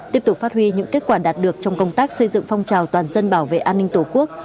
tiếp tục phát huy những kết quả đạt được trong công tác xây dựng phong trào toàn dân bảo vệ an ninh tổ quốc